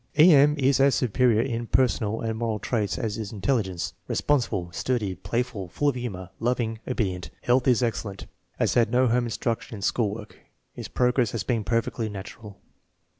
E. M. is as superior in personal and moral traits as in intelli gence. Responsible, sturdy, playful, full of humor, loving, obedi ent. Health is excellent. Has had no home instruction in school work. His progress has been perfectly natural.